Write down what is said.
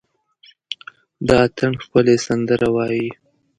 د اټن ښکلي سندره وايي،